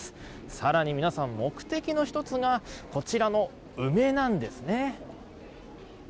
更に皆さん、目的の１つがこちらの梅なんですね。